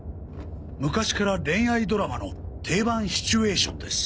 昔から恋愛ドラマの定番シチュエーションです。